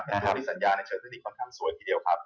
และมีสัญญาณในเทคนิคค่อนข้างสวยทีเดียวครับ